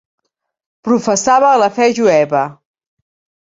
Professava la fe jueva.